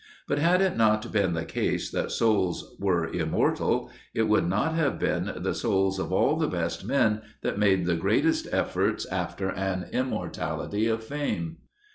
But had it not been the case that souls were immortal, it would not have been the souls of all the best men that made the greatest efforts after an immortality of fame.